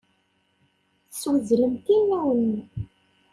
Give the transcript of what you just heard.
Teswezlemt inaw-nni.